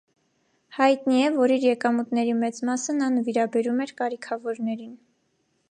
Հայտնի է, որ իր եկամուտների մեծ մասը նա նվիրաբերում էր կարիքավորներին։